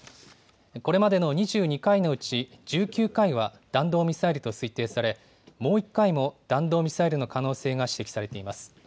これまでの２２回のうち、１９回は弾道ミサイルと推定され、もう１回も弾道ミサイルの可能性が指摘されています。